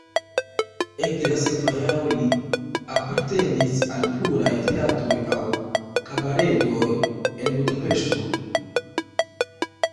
Ekde la sekva jaro li apartenis al pluraj teatroj aŭ kabaredoj en Budapeŝto.